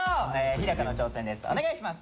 飛貴の挑戦です。